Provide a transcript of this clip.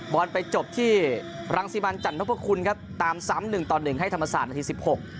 บอลไปจบที่รังสิบัญจันทบคุณครับตาม๓๑ต่อ๑ให้ธรรมศาสตร์นาที๑๖